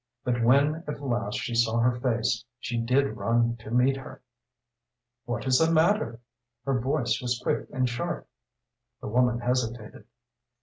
But when at last she saw her face she did run to meet her. "What is the matter?" her voice was quick and sharp. The woman hesitated.